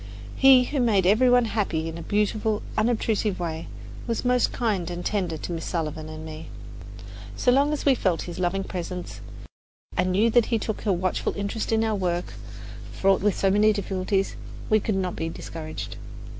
He, who made every one happy in a beautiful, unobtrusive way, was most kind and tender to Miss Sullivan and me. So long as we felt his loving presence and knew that he took a watchful interest in our work, fraught with so many difficulties, we could not be discouraged.